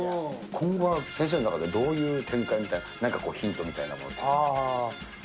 今後、先生の中で、どういう展開みたいな、なんかヒントみたいなものとか。